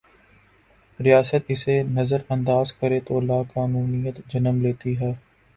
ریاست اسے نظر انداز کرے تولاقانونیت جنم لیتی ہے۔